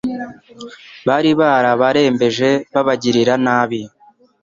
bari barabarembeje babagirira nabi.